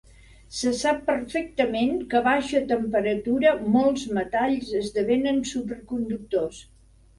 Se sap perfectament que, a baixa temperatura, molts metalls esdevenen superconductors.